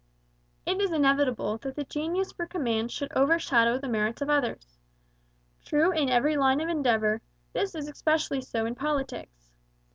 It is inevitable that genius for command should overshadow the merits of others. True in every line of endeavour, this is especially so in politics.